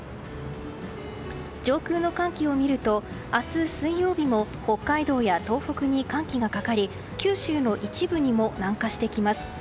上空の寒気を見ると明日、水曜日も北海道や東北に寒気がかかり九州の一部にも南下してきます。